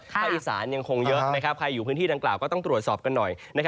อีสานยังคงเยอะใครอยู่พื้นที่ดังกล่าวก็ต้องตรวจสอบกันหน่อย